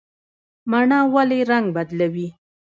مڼه ولې رنګ بدلوي؟